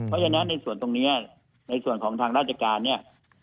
เพราะฉะนั้นในส่วนตรงนี้ในส่วนของทางราชการเนี่ย